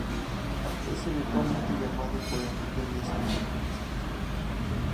Es eventualmente llamado por Enrique Meza en la selección.